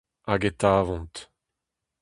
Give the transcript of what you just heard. Hag e tavont.